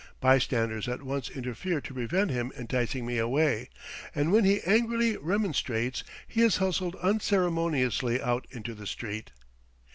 Bystanders at once interfere to prevent him enticing me away, and when he angrily remonstrates he is hustled unceremoniously out into the street.